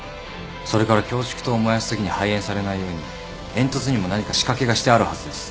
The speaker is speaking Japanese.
それからキョウチクトウを燃やしたときに排煙されないように煙突にも何か仕掛けがしてあるはずです。